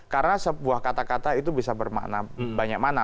karena sebuah kata kata itu bisa bermakna banyak mana